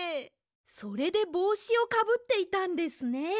それでぼうしをかぶっていたんですね。